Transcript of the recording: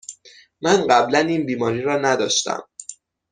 من قبلاً این بیماری را نداشتم.